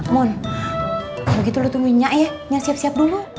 mun begitu lu tunggu nyak ya nyak siap siap dulu